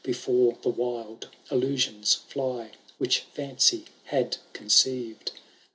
Before the wild illusions fly. Which fancy had conceived.